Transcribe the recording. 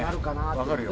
分かるよ。